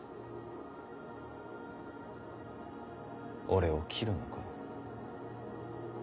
俺を斬るのか？